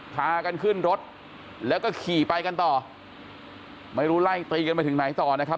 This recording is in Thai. พากันขึ้นรถแล้วก็ขี่ไปกันต่อไม่รู้ไล่ตีกันไปถึงไหนต่อนะครับ